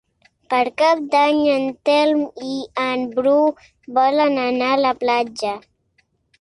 Per Cap d'Any en Telm i en Bru volen anar a la platja.